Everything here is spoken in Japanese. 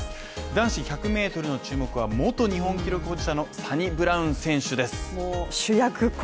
男子１００ｍの注目は元日本記録保持者のサニブラウン選手です。